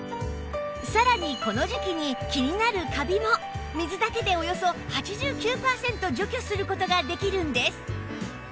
さらにこの時期に気になるカビも水だけでおよそ８９パーセント除去する事ができるんです